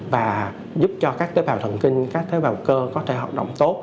và giúp cho các tế bào thần kinh các tế bào cơ có thể hoạt động tốt